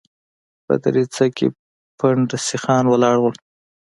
په دريڅه کې پنډ سيخان ولاړ ول.